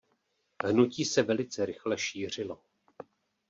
Hnutí se velice rychle šířilo.